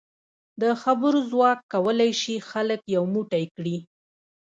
د خبرو ځواک کولای شي خلک یو موټی کړي.